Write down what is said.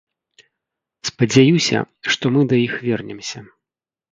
Спадзяюся, што мы да іх вернемся.